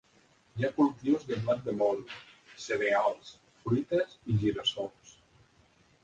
Hi ha cultius de blat de moro, cereals, fruites i gira-sols.